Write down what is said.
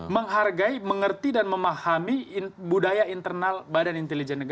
menghargai mengerti dan memahami budaya internal bin